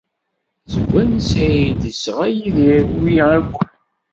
Seg wansi ay d-yesɣa Yidir wi akk?